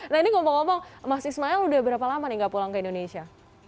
nah ini ngomong ngomong mas ismail udah berapa lama nih gak pulang ke indonesia